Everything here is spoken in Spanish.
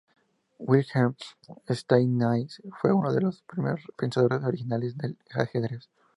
Wilhelm Steinitz fue uno de los primeros pensadores originales del ajedrez.